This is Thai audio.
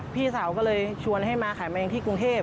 พี่สาวก็เลยชวนให้มาขายแมลงที่กรุงเทพ